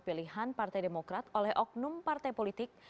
pilihan partai demokrat oleh oknum partai politik